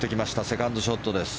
セカンドショットです。